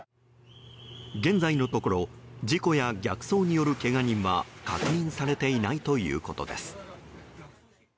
現在のところ事故や逆走によるけが人は確認されていないということです。